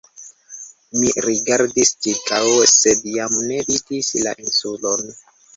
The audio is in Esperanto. Mi rigardis ĉirkaŭe, sed jam ne vidis la Insulon.